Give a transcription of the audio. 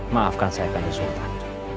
maafkan saya kandung sultan